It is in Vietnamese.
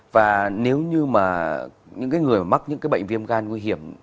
và nếu như mà những cái người mà mắc những cái bệnh viêm gan nguy hiểm